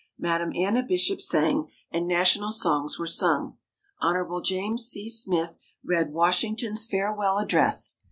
Madame Anna Bishop sang, and National songs were sung. Hon. James C. Smith read Washington's Farewell Address.